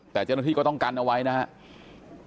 แต่เจ้าหน้าที่ก็ต้องกันเอาไว้นะครับ